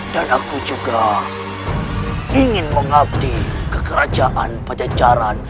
dan aku juga ingin mengabdi kekerajaan pancacaran